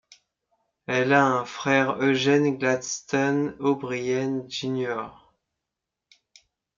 Elle a un frère Eugene Gladstone O'Brien Jr.